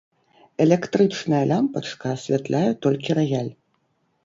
Электрычная лямпачка асвятляе толькі раяль.